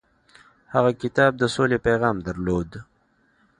هغه کتاب د سولې پیغام درلود.